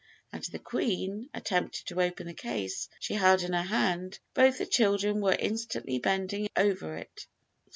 and the Queen, attempting to open the case she held in her hand, both the children were instantly bending over it.